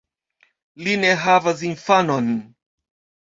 Li ne havas infanon.